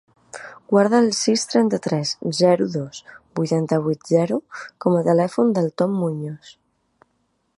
Guarda el sis, trenta-tres, zero, dos, vuitanta-vuit, zero com a telèfon del Tom Muiños.